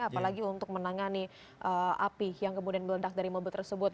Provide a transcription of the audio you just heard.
apalagi untuk menangani api yang kemudian meledak dari mobil tersebut